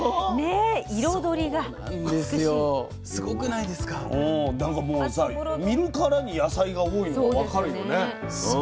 なんかもうさ見るからに野菜が多いの分かるよね。